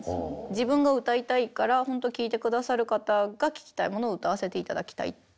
「自分が歌いたい」から「聴いてくださる方が聴きたいものを歌わせていただきたい」っていう。